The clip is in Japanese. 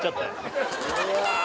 うわ